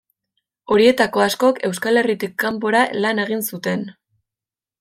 Horietako askok Euskal Herritik kanpora lan egin zuten.